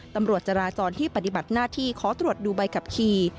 ตำรวจจราจรที่ปฏิบัติหน้าที่ขอตรวจดูใบขับขี่